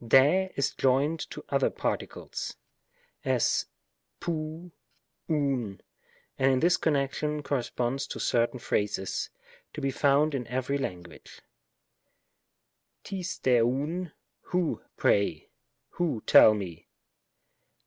Sr^ is joined to otter particles ; as, tiov^ ovvy and in this connection corre sponds to certain phrases, to be found in every lan guage, rig Srj ovv ;" who, pray ?"" who, tell me